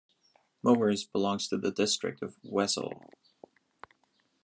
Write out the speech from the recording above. Moers belongs to the district of Wesel.